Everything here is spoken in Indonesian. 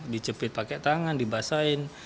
dicepit pakai tangan dibasahin